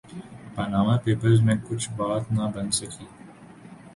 Panama Papers میں کچھ بات نہ بن سکی۔